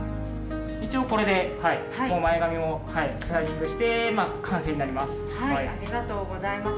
一応これで前髪もスタイリングして完成になります。